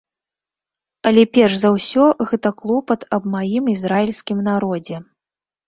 Але перш за ўсё гэта клопат аб маім ізраільскім народзе.